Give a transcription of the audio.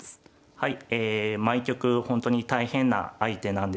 はい。